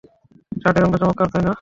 শার্টের রঙটা চমৎকার, তাই না?